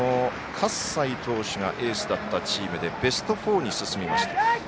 かっさい投手がエースだったチームでベスト４に進みました。